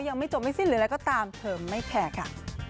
ยังไม่จบไม่สิ้นหรืออะไรก็ตามเธอไม่แผ่ค่ะ